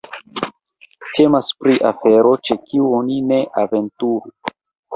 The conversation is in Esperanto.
Temas pri afero, ĉe kiu oni ne aventuru.